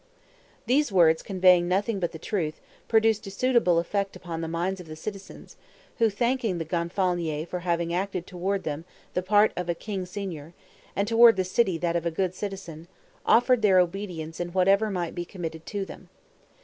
These words conveying nothing but the truth, produced a suitable effect upon the minds of the citizens, who thanking the Gonfalonier for having acted toward them the part of a king Signor, and toward the city that of a good citizen, offered their obedience in whatever might be committed to them.